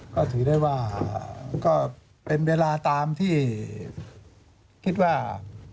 ก็ถือได้ว่าก็เป็นเวลาตามที่คิดว่า